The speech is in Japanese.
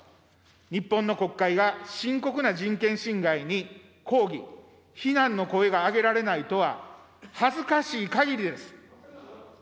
日本の国会が深刻な人権侵害に抗議、非難の声が上げられないとは、恥ずかしいかぎりです。